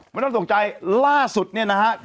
ไม่ต้องตกใจล่าสุดเนี่ยนะฮะ